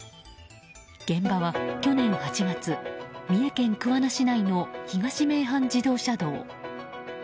現場は去年８月三重県桑名市内の東名阪自動車道。